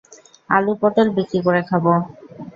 আলু-পটল বিক্রি করে খাবো।